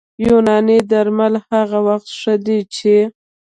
یوناني درمل هغه وخت ښه دي چې